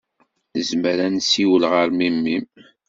Nezmer ad nessiwel ɣef memmi-m?